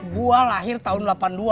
gue lahir tahun delapan puluh dua